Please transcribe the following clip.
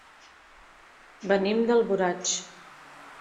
Venim d'Alboraig.